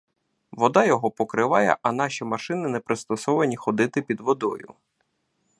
Вода його покриває, а наші машини не пристосовані ходити під водою.